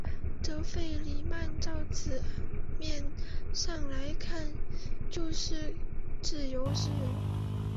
则弗里曼照字面上来看就是自由之人。